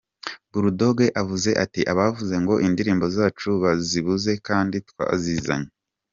Bull Dogg avuze ati “bavuze ngo indirimbo zacu bazibuze kandi twazizanye.